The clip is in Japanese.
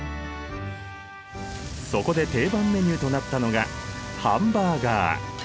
そこで定番メニューとなったのがハンバーガー。